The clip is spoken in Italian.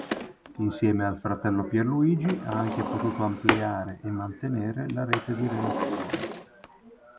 Insieme al fratello Pierluigi ha anche potuto ampliare e mantenere la rete di relazioni.